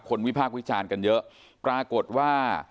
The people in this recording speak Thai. วิพากษ์วิจารณ์กันเยอะปรากฏว่า